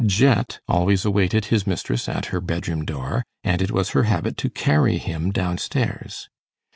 Jet always awaited his mistress at her bedroom door, and it was her habit to carry him down stairs.